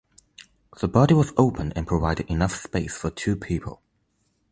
The body was open and provided enough space for two people.